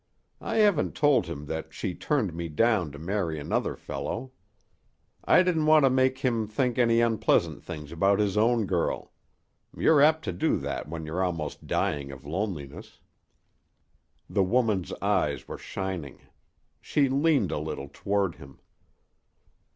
I haven't told him that she turned me down to marry another fellow. I didn't want to make him think any unpleasant things about his own girl. You're apt to do that when you're almost dying of loneliness." The woman's eyes were shining. She leaned a little toward him.